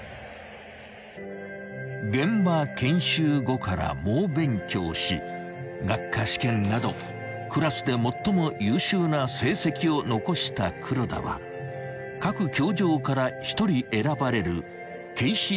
［現場研修後から猛勉強し学科試験などクラスで最も優秀な成績を残した黒田は各教場から１人選ばれる警視総監賞を受賞した］